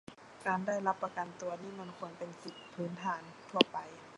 การได้รับประกันตัวนี่มันควรเป็นสิทธิพื้นฐานทั่วไป